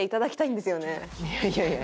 いやいやいや。